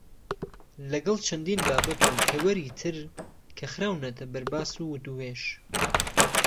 لەگەڵ چەندین بابەت و تەوەری تر کە خراونەتە بەرباس و وتووێژ.